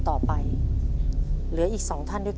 ตัวเลือกที่๔ขึ้น๘ค่ำเดือน๗